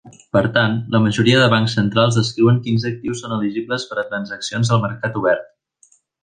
Per tant, la majoria de bancs centrals descriuen quins actius són elegibles per a transaccions al mercat obert.